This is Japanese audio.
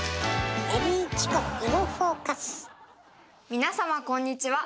皆様こんにちは。